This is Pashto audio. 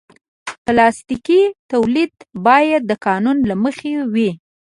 پلاستيکي تولید باید د قانون له مخې وي.